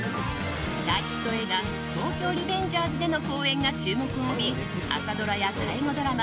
大ヒット映画「東京リベンジャーズ」での好演が注目を浴び朝ドラや大河ドラマ